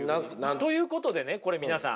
ということでね皆さん。